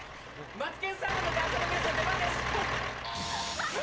マツケンサンバのダンサーの皆さん出番です。